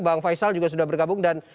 bang faisal juga sudah bergabung dan